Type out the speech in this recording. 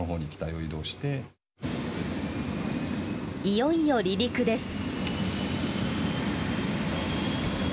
いよいよ離陸です。